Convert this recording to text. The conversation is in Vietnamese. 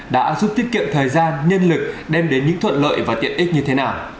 đã giúp tiết kiệm thời gian nhân lực đem đến những thuận lợi và tiện ích như thế nào